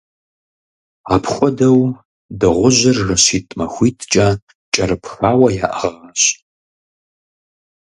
Апхуэдэу дыгъужьыр жэщитӏ-махуитӏкӏэ кӏэрыпхауэ яӏыгъащ.